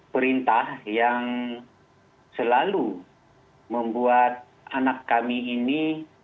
perintah yang selalu membuat anak kami ini